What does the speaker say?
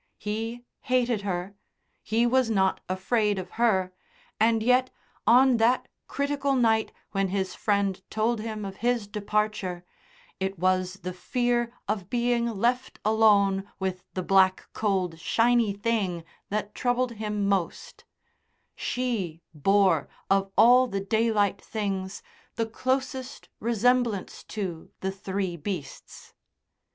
He hated her; he was not afraid of her, and yet on that critical night when his friend told him of his departure, it was the fear of being left alone with the black cold shiny thing that troubled him most; she bore of all the daylight things the closest resemblance to the three beasts.